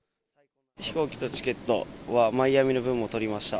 飛行機とチケットはマイアミの分も取りました。